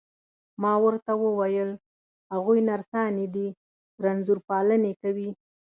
ما ورته وویل: هغوی نرسانې دي، رنځور پالني کوي.